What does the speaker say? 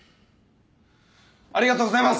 ありがとうございます！